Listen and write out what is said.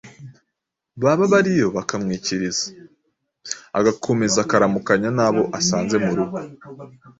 Baba bariyo bakamwikiriza. Agakomeza akaramukanya n’abo asanze mu rugo.